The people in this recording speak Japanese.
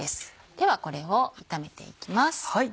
ではこれを炒めていきます。